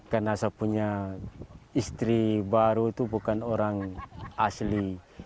karena saya punya istri baru itu bukan orang asli